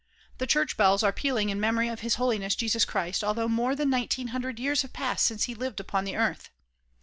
The church bells are pealing in memory of His Holiness Jesus Christ although more than nineteen hundred years have passed since he lived upon the earth.